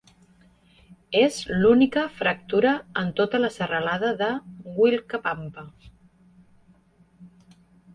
És l'única fractura en tota la serralada de Willkapampa.